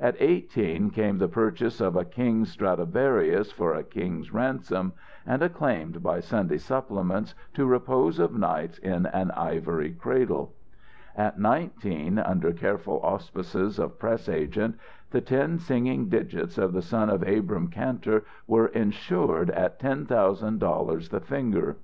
At eighteen, came the purchase of a king's Stradivarius for a king's ransom, and acclaimed by Sunday supplements to repose of nights in an ivory cradle. At nineteen, under careful auspices of press agent, the ten singing digits of the son of Abrahm Kantor were insured at ten thousand dollars the finger.